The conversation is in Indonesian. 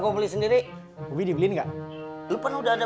gue beli sendiri widi beli nggak lupa udah ada